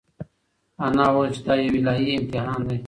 انا وویل چې دا یو الهي امتحان دی.